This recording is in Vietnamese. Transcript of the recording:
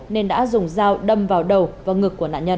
nên đã dùng dao đâm vào đầu và ngực của nạn nhân